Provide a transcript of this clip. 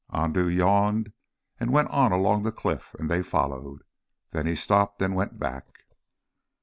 Andoo yawned and went on along the cliff, and they followed. Then he stopped and went back.